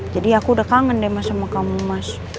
jadi aku udah kangen deh mas sama kamu mas